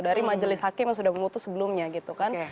dari majelis hakim yang sudah memutus sebelumnya gitu kan